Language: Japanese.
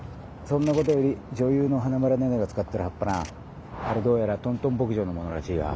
そんなことより女優の花村寧々が使ってる葉っぱなあれどうやらトントン牧場のものらしいわ。